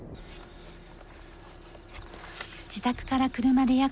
自宅から車で約４０分。